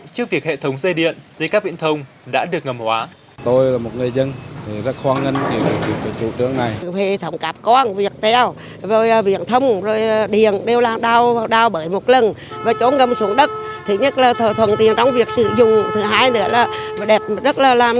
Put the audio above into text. chương trình sẽ được tiếp tục với những tin tức khác